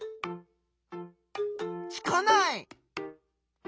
つかない！